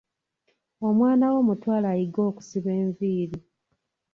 Omwana wo mutwale ayige okusiba enviiri.